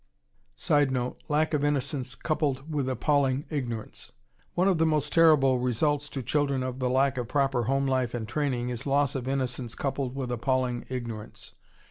[Sidenote: Lack of innocence coupled with appalling ignorance.] One of the most terrible results to children of the lack of proper home life and training is loss of innocence coupled with appalling ignorance.